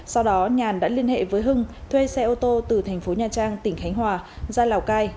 sau đó nhàn đã liên hệ với hưng thuê xe ô tô từ thành phố nha trang tỉnh khánh hòa ra lào cai